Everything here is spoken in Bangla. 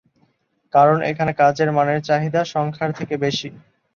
কারণ এখানে কাজের মানের চাহিদা, সংখ্যার থেকে বেশি।